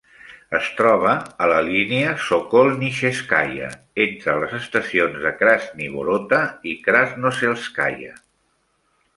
Es troba a la línia Sokolnicheskaya, entre les estacions de Krasnye Vorota i Krasnoselskaya.